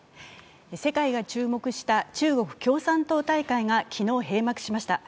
世界が注目した中国共産党大会が昨日閉幕しました。